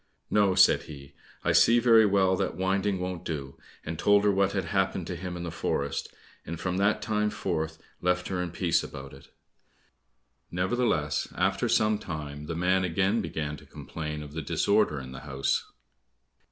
"No," said he, "I see very well that winding won't do," and told her what had happened to him in the forest, and from that time forth left her in peace about it. Neverthless after some time, the man again began to complain of the disorder in the house.